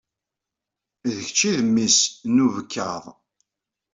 D kečč ay d memmi-s n ubekkaḍ.